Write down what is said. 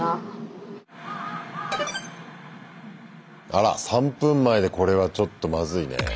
あら３分前でこれはちょっとまずいねぇ。